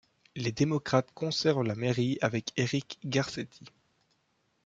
Les démocrates conservent la mairie avec Eric Garcetti.